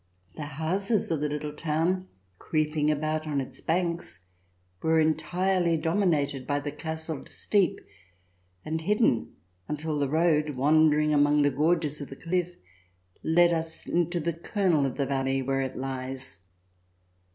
The houses of the little town, creeping about on its banks, were entirely dominated by the castled steep and hidden until the road, wandering among the gorges of the cliff, led us into the kernel of the valley where it lies.